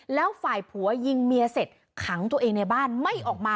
แล้วฝ่ายผัวยิงเมียเสร็จขังตัวเองในบ้านไม่ออกมา